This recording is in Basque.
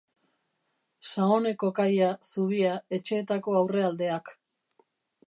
Saoneko kaia, zubia, etxeetako aurrealdeak.